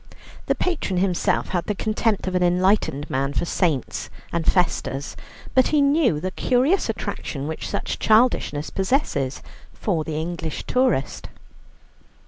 The patron himself had the contempt of an enlightened man for saints and festas, but he knew the curious attraction which such childishness possesses for the English tourist.